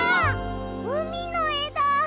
うみのえだ！